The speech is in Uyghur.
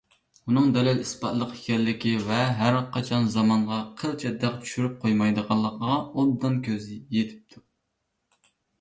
ئۇنىڭ دەلىل - ئىسپاتلىق ئىكەنلىكى ۋە ھەرقاچان زامانغا قىلچە داغ چۈشۈرۈپ قويمايدىغانلىقىغا ئوبدان كۆزى يېتىپتۇ.